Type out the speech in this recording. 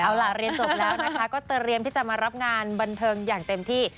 เอาล่ะเรียนจบแล้วนะคะก็เตรียมที่จะมารับงานบันเทิงอย่างเต็มที่